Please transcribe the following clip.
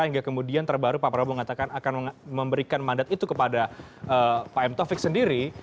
hingga kemudian terbaru pak prabowo mengatakan akan memberikan mandat itu kepada pak m taufik sendiri